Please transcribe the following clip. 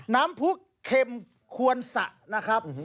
น้ำพุกเข็มควรสะนะครับ